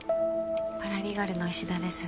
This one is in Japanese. パラリーガルの石田です